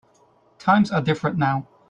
Times are different now.